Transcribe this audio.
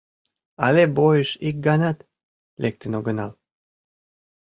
Але бойыш ик ганат лектын огынал.